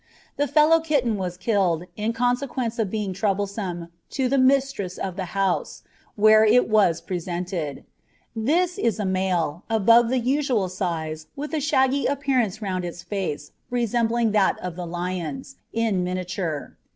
The fellow Kitten was killed, in consequence of being troublesome, to the Mistress of the House, where it was presented. This is a Male, above the usual Size, with a shaggy Appearance round its Face, resembling that of the Lion's, in Miniature.